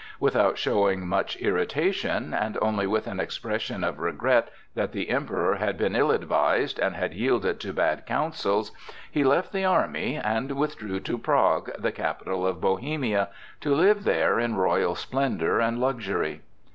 Without showing much irritation, and only with an expression of regret that the Emperor had been ill advised and had yielded to bad counsels, he left the army and withdrew to Prague, the capital of Bohemia, to live there in royal splendor and luxury.